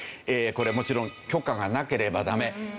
これもちろん許可がなければダメ。